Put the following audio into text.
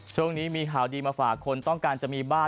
ช่วงนี้มีข่าวดีมาฝากคนต้องการจะมีบ้าน